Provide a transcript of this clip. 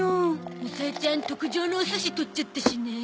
むさえちゃん特上のおすし取っちゃったしね。